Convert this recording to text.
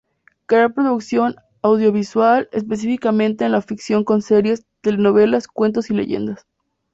Crear producción audiovisual, específicamente en la ficción con series, telenovelas, cuentos y leyendas.